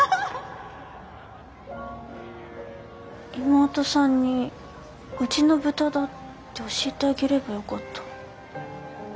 妹さんにうちの豚だって教えてあげればよかった。